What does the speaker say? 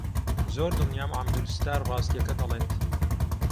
زۆر دڵنیام عەبدولستار ڕاستییەکە دەڵێت.